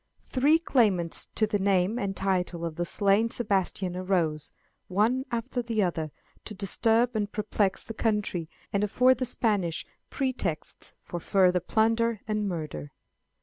Three claimants to the name and title of the slain Sebastian arose, one after the other, to disturb and perplex the country, and afford the Spanish pretexts for further plunder and murder.